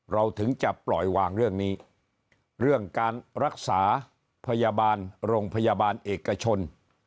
เราถึงจะปล่อยวางเรื่องนี้เรื่องการรักษาพยาบาลโรงพยาบาลเอกชน